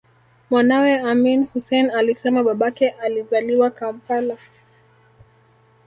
Mwanawe Amin Hussein alisema babake alizaliwa Kampala